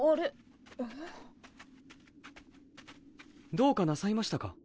どうかなさいましたか？